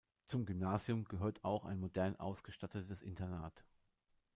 Zum Gymnasium gehört auch ein modern ausgestattetes Internat.